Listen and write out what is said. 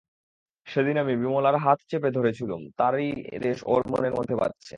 সেদিন আমি বিমলার হাত চেপে ধরেছিলুম, তারই রেশ ওর মনের মধ্যে বাজছে।